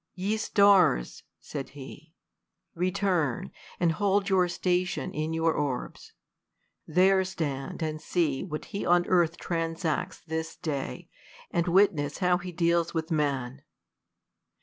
Ye stars ! (said he) Return, and hold yonr station in your ©rbs ; There stand and see what fie on eartli transacts Tliis day, and witness how He deals with man.